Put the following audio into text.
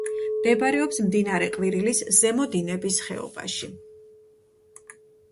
მდებარეობს მდინარე ყვირილის ზემო დინების ხეობაში.